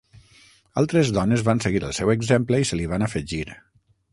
Altres dones van seguir el seu exemple i se li van afegir.